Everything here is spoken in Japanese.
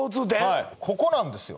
はいここなんですよ